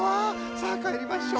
さあかえりましょ。